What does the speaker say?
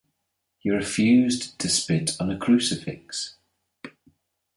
He refused to spit on a crucifix.